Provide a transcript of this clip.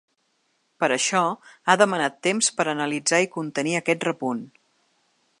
Per això, ha demanat temps per a analitzar i contenir aquest repunt.